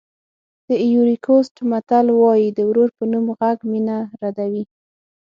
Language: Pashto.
د ایوُري کوسټ متل وایي د ورور په نوم غږ مینه ردوي.